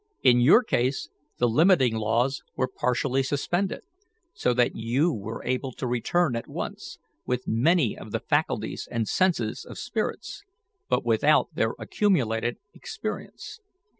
In your case the limiting laws were partially suspended, so that you were able to return at once, with many of the faculties and senses of spirits, but without their accumulated experience.